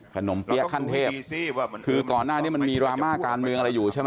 เปี๊ยะขั้นเทพคือก่อนหน้านี้มันมีดราม่าการเมืองอะไรอยู่ใช่ไหม